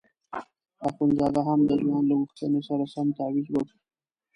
اخندزاده هم د ځوان له غوښتنې سره سم تاویز وکیښ.